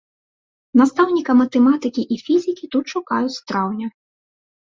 Настаўніка матэматыкі і фізікі тут шукаюць з траўня.